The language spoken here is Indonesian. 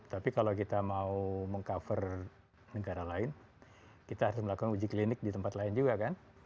tapi kalau kita mau meng cover negara lain kita harus melakukan uji klinik di tempat lain juga kan